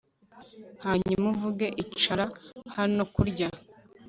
hanyuma uvuge, icara hano. kurya